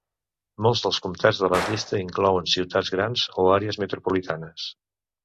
Molts dels comtats de la llista inclouen ciutats grans o àrees metropolitanes.